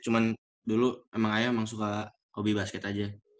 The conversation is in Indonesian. cuma dulu emang ayah emang suka hobi basket aja